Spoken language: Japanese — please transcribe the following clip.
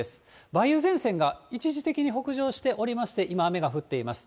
梅雨前線が一時的に北上しておりまして、今、雨が降っています。